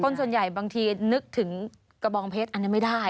ส่วนใหญ่บางทีนึกถึงกระบองเพชรอันนี้ไม่ได้